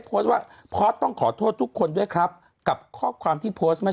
โพสต์ว่าพอสต้องขอโทษทุกคนด้วยครับกับข้อความที่โพสต์เมื่อ